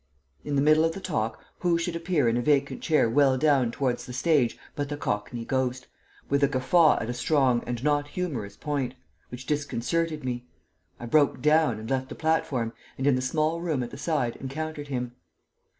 In the middle of the talk, who should appear in a vacant chair well down towards the stage but the cockney ghost, with a guffaw at a strong and not humorous point, which disconcerted me! I broke down and left the platform, and in the small room at the side encountered him.